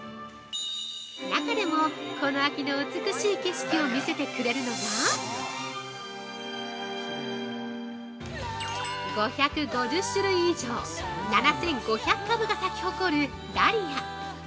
中でも、この秋の美しい景色を見せてくれるのが５５０種類以上７５００株が咲き誇るダリア！！